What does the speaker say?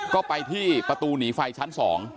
ก็ไปที่ประตูหนีไฟชั้น๒